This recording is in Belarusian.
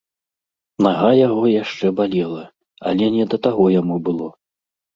Нага яго яшчэ балела, але не да таго яму было.